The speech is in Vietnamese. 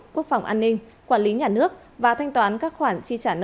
quốc phòng an ninh quản lý nhà nước